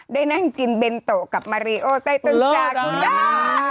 ได้นั่งกินเบนโตะกับมารีโอใต้ต้นจาดของนักนะคะ